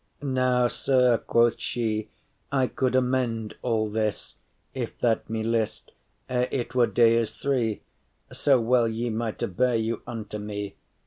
” “Now, Sir,” quoth she, “I could amend all this, If that me list, ere it were dayes three, *So well ye mighte bear you unto me.